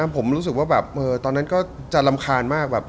ผมรู้สึกว่าแบบตอนนั้นก็จะรำคาญมากแบบ